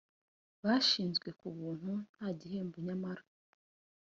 bashinzwe ku buntu nta gihembo nyamara